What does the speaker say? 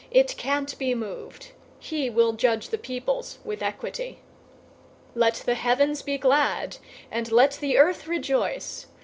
It can't be moved. He will judge the peoples with equity. 096:011 Let the heavens be glad, and let the earth rejoice.